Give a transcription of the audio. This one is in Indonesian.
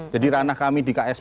jadi ranah kami di ksrm